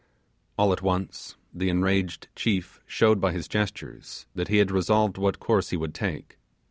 All at once the enraged chief showed by his gestures that he had resolved what course he would take.